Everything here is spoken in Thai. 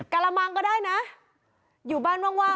กระหลามังก็ได้นะอยู่บ้านว่างว่าง